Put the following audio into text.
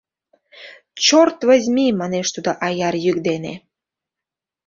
Чорт возьми! — манеш тудо аяр йӱк дене.